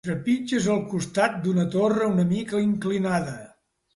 Trepitges al costat d'una torre una mica inclinada.